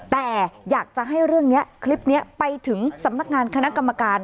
แต่อยากจะให้เรื่องนี้คลิปนี้ไปถึงสำนักงานคณะกรรมการ